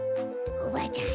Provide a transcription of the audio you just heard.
おばあちゃん